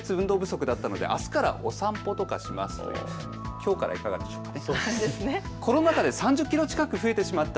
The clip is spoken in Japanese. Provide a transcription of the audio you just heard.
きょうからいかがでしょうか。